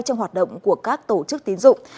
trong hoạt động của các tổ chức tín dụng